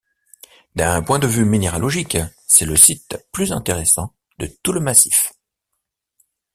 D'un point de vue minéralogique, c'est le site plus intéressant de tout le massif.